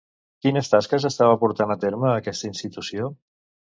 Quines tasques estava portant a terme aquesta institució?